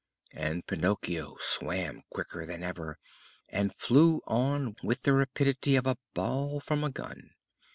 And Pinocchio swam quicker than ever, and flew on with the rapidity of a ball from a gun.